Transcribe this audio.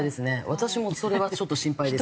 私もそれはちょっと心配ですね。